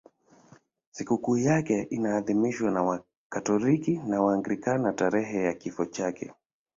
Sikukuu yake huadhimishwa na Wakatoliki na Waanglikana tarehe ya kifo chake.